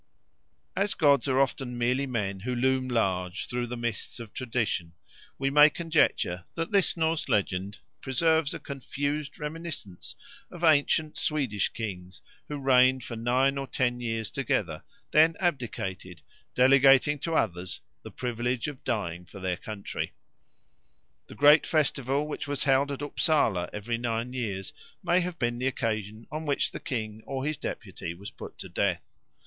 As gods are often merely men who loom large through the mists of tradition, we may conjecture that this Norse legend preserves a confused reminiscence of ancient Swedish kings who reigned for nine or ten years together, then abdicated, delegating to others the privilege of dying for their country. The great festival which was held at Upsala every nine years may have been the occasion on which the king or his deputy was put to death.